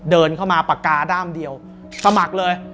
เดินเข้ามาปากกาด้ามเดียวสมัครเลย